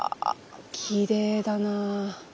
きれいだな。